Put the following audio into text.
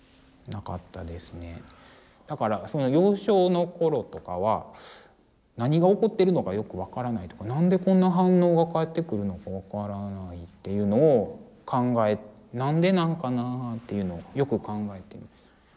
だから幼少の頃とかは何が起こってるのかよく分からないとか何でこんな反応が返ってくるのか分からないっていうのを何でなんかなっていうのをよく考えてました。